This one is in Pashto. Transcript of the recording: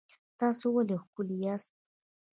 تاسو ولې ښکلي یاست؟